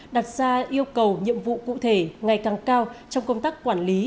đặt ra yêu cầu nhiệm vụ cụ thể ngày càng cao trong công tác quản lý